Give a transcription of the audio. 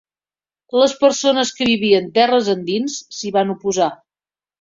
Les persones que vivien terres endins s'hi van oposar.